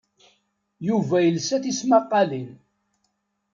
Yuba yelsa tismaqqalin.